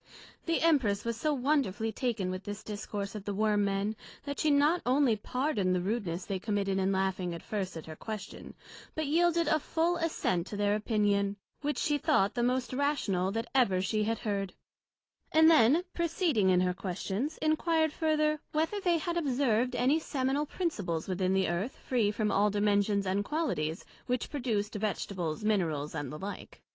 The Empress was so wonderfully taken with this Discourse of the Worm men, that she not only pardoned the rudeness they committed in laughing at first at her question, but yielded a full assent to their opinion, which she thought the most rational that ever she had heard yet; and then proceeding in her questions, enquired further, whether they had observed any seminal principles within the Earth free from all dimensions and qualities, which produced Vegetables, Minerals, and the like?